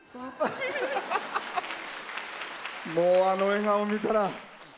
もう、あの笑顔見たら。